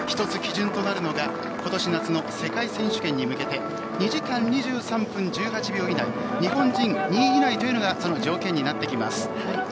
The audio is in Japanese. １つ基準となるのが今年夏の世界選手権に向けて２時間２３分１８秒以内日本人２位以内というのがその条件になってきます。